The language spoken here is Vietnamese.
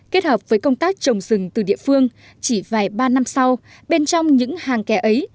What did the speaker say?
kết hợp với công tác trồng rừng từ địa phương chỉ vài ba năm sau bên trong những hàng kè ấy